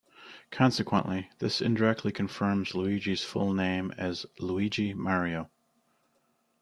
Consequently, this indirectly confirms Luigi's full name as Luigi Mario.